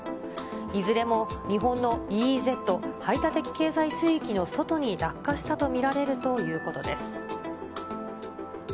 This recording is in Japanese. いずれも日本のＥＥＺ・排他的経済水域の外に落下したと見られるということ。